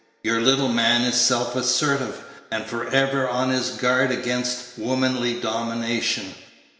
Your little man is self assertive, and for ever on his guard against womanly domination.